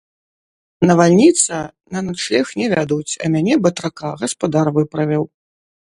Навальніца, на начлег не вядуць, а мяне, батрака, гаспадар выправіў.